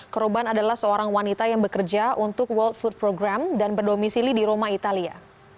korban adalah seorang wanita yang bekerja untuk world food program dan berdomisili di roma italia